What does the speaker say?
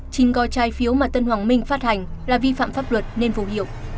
phiếu mà tân hoàng minh phát hành là vi phạm pháp luật nên vô hiệu